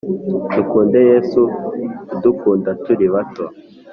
dukunde yesu udukunda turi bato !